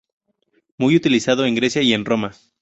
Muy utilizado en Grecia y en Roma.